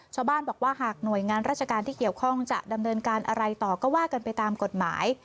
ชาวบ้านบอกว่าหากหน่วยงานราชการที่เกี่ยวข้องจะดำเนินการอะไรต่อก็ว่ากันไปตามกฎหมาย